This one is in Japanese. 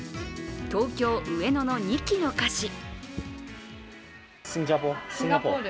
東京・上野の二木の菓子。